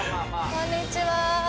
こんにちは。